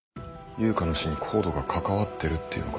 悠香の死にＣＯＤＥが関わってるっていうのか？